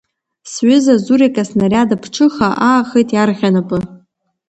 Сҩыза Зурик аснариад аԥҽыха аахеит иарӷьа-напы.